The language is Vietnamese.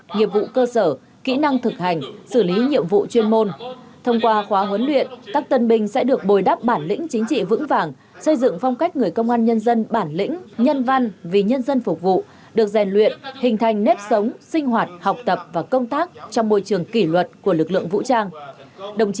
nghiệp vụ cơ sở kỹ năng thực hành xử lý nhiệm vụ chuyên môn thông qua khóa huấn luyện các tân binh sẽ được bồi đắp bản lĩnh chính trị vững vàng xây dựng phong cách người công an nhân dân bản lĩnh nhân văn vì nhân dân phục vụ được rèn luyện hình thành nếp sống sinh hoạt học tập và công tác trong môi trường kỷ luật của lực lượng vũ trang